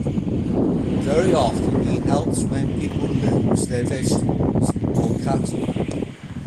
Very often he helps when people lose their vegetables or cattle.